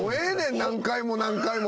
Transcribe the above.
何回も何回もお前。